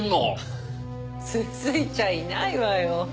続いちゃいないわよ。